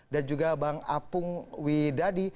dan juga bang apung widadi